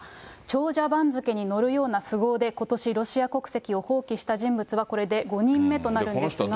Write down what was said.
長者番付に載るような富豪で、ことしロシア国籍を放棄した人物は、これで５人目となるんですが。